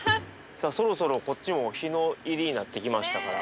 さあそろそろこっちも日の入りになってきましたから。